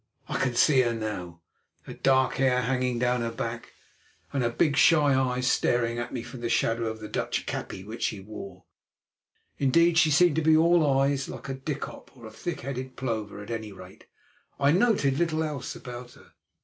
I can see her now, her dark hair hanging down her back, and her big, shy eyes staring at me from the shadow of the Dutch kappie which she wore. Indeed, she seemed to be all eyes, like a dikkop or thick headed plover; at any rate, I noted little else about her.